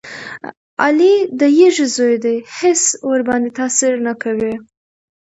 علي د یږې زوی دی هېڅ ورباندې تاثیر نه کوي.